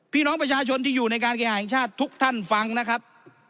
พี่น้องประชาชนที่อยู่ในการแข่งชาติทุกท่านฟังนะครับ